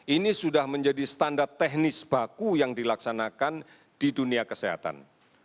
ini sudah menjadi standar teknis baku yang dilaksanakan di dunia kesehatan